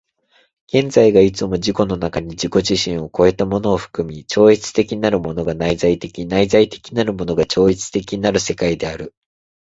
現在がいつも自己の中に自己自身を越えたものを含み、超越的なるものが内在的、内在的なるものが超越的なる世界である。